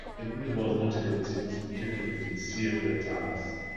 It involves nautical themes, in keeping with its Seafair ties.